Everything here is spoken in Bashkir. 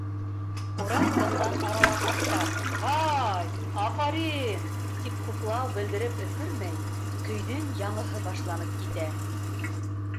Ҡурай тынған арала ҡарттар «Һай, афарин!» тип хуплау белдереп өлгөрмәй, көйҙөң яңыһы башланып китә.